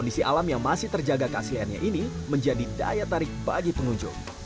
kondisi alam yang masih terjaga kasihannya ini menjadi daya tarik bagi pengunjung